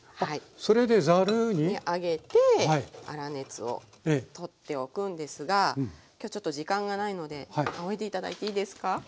上げて粗熱を取っておくんですが今日ちょっと時間がないのであおいで頂いていいですか？